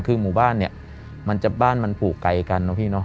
คือหมู่บ้านมันจะบ้านมันผูกไกลกันนะพี่